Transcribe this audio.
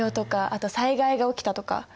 あと災害が起きたとか。